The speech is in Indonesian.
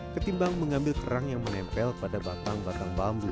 ketimbang mengambil kerang yang menempel pada batang batang bambu